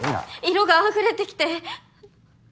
色があふれてきて。